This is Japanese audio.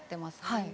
はい。